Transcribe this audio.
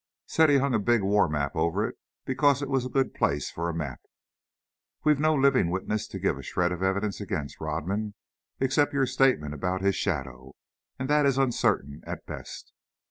Said he hung a big war map over it because it was a good place for a map. We've no living witness to give a shred of evidence against Rodman, except your statement about his shadow, and that is uncertain at best."